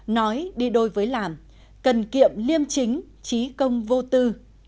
nói đi đôi với làm cần kiệm liêm chính trí công vô tư